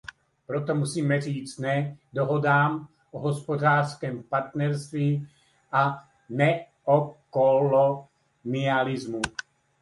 Proto musíme říci ne dohodám o hospodářském partnerství a neokolonialismu.